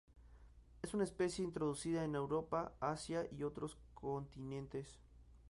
Es una especie introducida a Europa, Asia, y otros continentes.